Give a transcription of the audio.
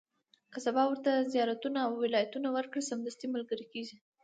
که سبا ورته وزارتونه او ولایتونه ورکړي، سمدستي ملګري کېږي.